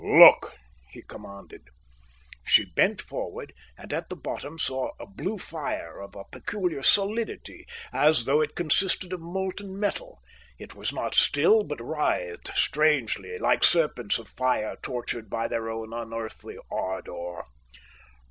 "Look," he commanded. She bent forward, and at the bottom saw a blue fire, of a peculiar solidity, as though it consisted of molten metal. It was not still, but writhed strangely, like serpents of fire tortured by their own unearthly ardour.